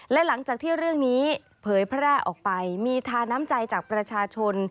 และหลังจากที่เรื่องนี้เผยแพร่ออกไปมีทาน้ำใจจากประชาชน